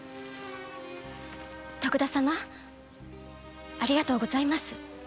徳田様ありがとうございます。